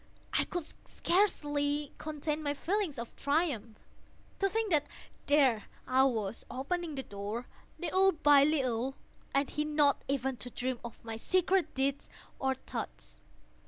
I could scarcely contain my feelings of triumph. To think that there I was, opening the door, little by little, and he not even to dream of my secret deeds or thoughts.